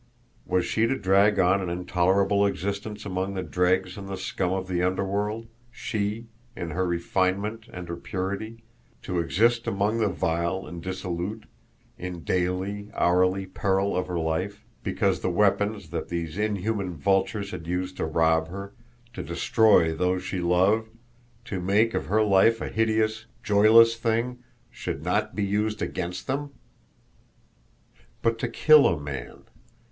Was she to drag on an intolerable existence among the dregs and the scum of the underworld, she, in her refinement and her purity, to exist among the vile and dissolute, in daily, hourly peril of her life, because the weapons that these inhuman vultures had used to rob her, to destroy those she loved, to make of her life a hideous, joyless thing, should not be used against them? But to kill a man!